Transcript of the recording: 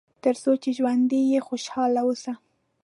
تر څو چې ژوندی یې خوشاله اوسه.